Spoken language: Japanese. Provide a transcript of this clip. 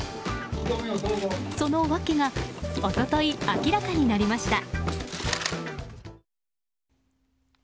その訳が一昨日、明らかになりました。